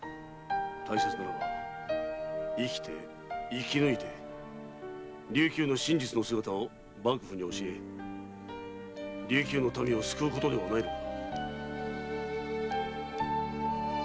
大切なのは生きて生きぬいて琉球の真実の姿を幕府に教え琉球の民を救うことではないのか？